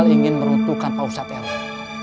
ingin meruntuhkan pausat eroi